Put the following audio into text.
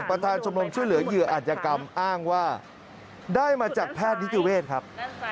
ประธานชมรมช่วยเหลือเหยื่ออาจยกรรมอ้างว่าได้มาจากแพทย์นิติเวศครับ